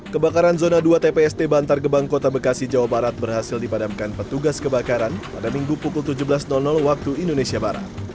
kebakaran zona dua tpst bantar gebang kota bekasi jawa barat berhasil dipadamkan petugas kebakaran pada minggu pukul tujuh belas waktu indonesia barat